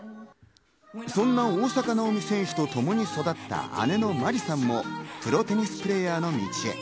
そんな大坂なおみ選手とともに育った姉のまりさんもプロテニスプレーヤーの道へ。